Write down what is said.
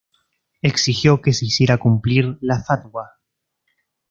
Exigió que se hiciera cumplir la fatwa.